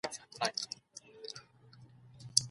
هلک له کړکۍ څخه خپل د لوبو شیان لاندې وغورځول.